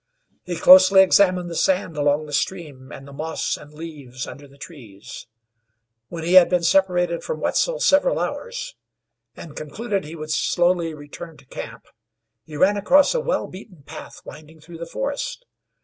He closely examined the sand along the stream, and the moss and leaves under the trees. When he had been separated from Wetzel several hours, and concluded he would slowly return to camp, he ran across a well beaten path winding through the forest.